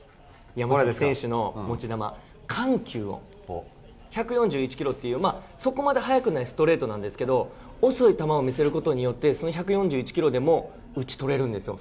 山崎選手の持ち球、緩急を、１４１キロっていう、そこまで速くないストレートなんですけど、遅い球を見せることによって、その１４１キロでも打ち取れるんですよ。